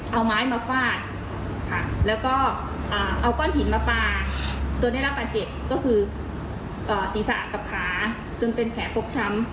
เอาไม้มาฟาดค่ะแล้วก็เอาก้อนหินมาปลาจนได้รับบาดเจ็บก็คือศีรษะกับขาจนเป็นแผลฟกช้ำ